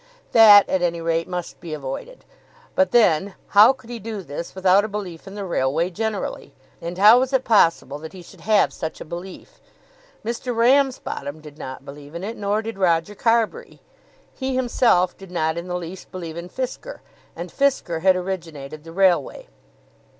That at any rate must be avoided. But then how could he do this without a belief in the railway generally? And how was it possible that he should have such belief? Mr. Ramsbottom did not believe in it, nor did Roger Carbury. He himself did not in the least believe in Fisker, and Fisker had originated the railway.